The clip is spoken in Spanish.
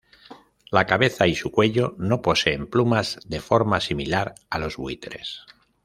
La cabeza y su cuello no poseen plumas, de forma similar a los buitres.